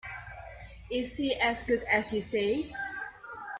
Is she as good as you say?